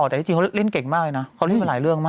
แต่ที่จริงเขาเล่นเก่งมากเลยนะเขาเล่นมาหลายเรื่องมาก